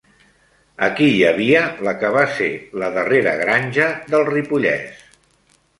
Aquí hi havia la que va ser la darrera granja del Ripollès.